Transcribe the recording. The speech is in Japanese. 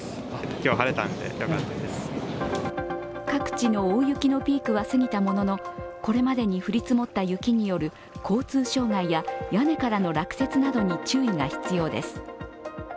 各地の大雪のピークはすぎたものの、これまでに積もった雪による交通障害や屋根からの落雪などに注意が必要です。